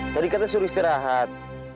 tadi kata suruh istirahat